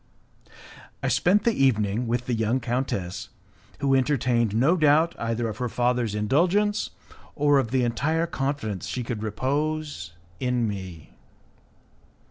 I spent the evening with the young countess, who entertained no doubt either of her father's indulgence or of the entire confidence she could repose in me.